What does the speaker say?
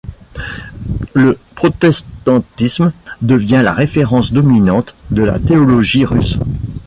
Le protestantisme devient la référence dominante de la théologie russe.